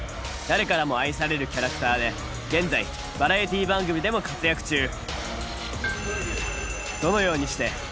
誰からも愛されるキャラクターで現在バラエティー番組でも活躍中。